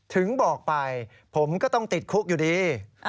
ถึงบอกไปผมก็ต้องติดคุกอยู่ดี